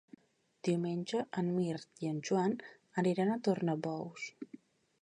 Diumenge en Mirt i en Joan aniran a Tornabous.